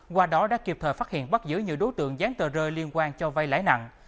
qua đó đã kịp thời phát hiện bắt giữ nhiều đối tượng dán tờ rơi liên quan cho vai lãi nặng